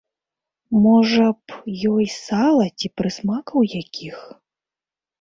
Можа б, ёй сала ці прысмакаў якіх!